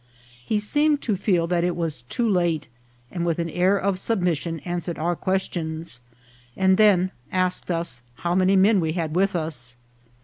He seemed to feel that it was too late, and with an air of submission answered our ques tions, and then asked us how many men we had with us.